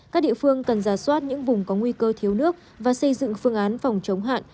các địa phương cần giả soát những vùng có nguy cơ thiếu nước và xây dựng phương án phòng chống hạn